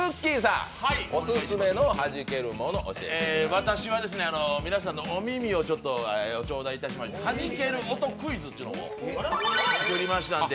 私は、皆さんのお耳をちょっとおちょうだいいたしまして、「ハジける音クイズ」というのを作りましたんで。